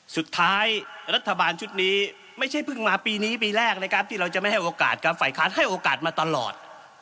สุดท้ายรัฐบาลชุดนี้ไม่ใช่เพิ่งมาปีนี้ปีแรกนะครับที่เราจะไม่ให้โอกาสครับฝ่ายค้านให้โอกาสมาตลอด